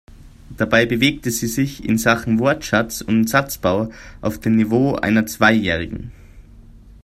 Dabei bewegte sie sich in Sachen Wortschatz und Satzbau auf dem Niveau einer Zweijährigen.